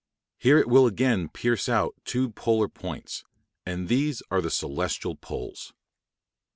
Here it will again pierce out two polar points; and these are the celestial poles.